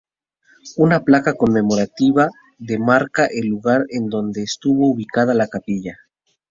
Una placa conmemorativa demarca el lugar en donde estuvo ubicada la capilla.